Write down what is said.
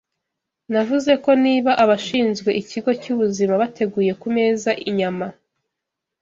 Navuze ko niba abashinzwe ikigo cy’ubuzima bateguye ku meza inyama